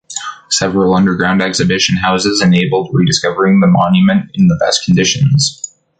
Several underground exhibition houses enabled rediscovering the monument in the best conditions.